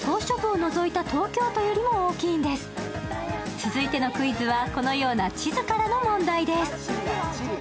続いてのクイズは、このような地図からの問題です。